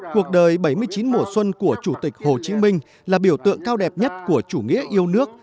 cuộc đời bảy mươi chín mùa xuân của chủ tịch hồ chí minh là biểu tượng cao đẹp nhất của chủ nghĩa yêu nước